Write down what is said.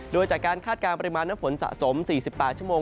โดยจากการคาดการณ์ปริมาณน้ำฝนสะสม๔๘ชั่วโมง